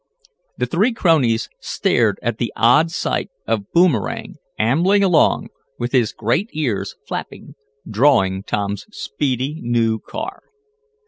The three cronies stared at the odd sight of Boomerang ambling along, with his great ears flapping, drawing Tom's speedy new car.